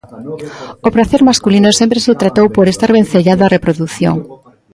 O pracer masculino sempre se tratou por estar vencellado á reprodución.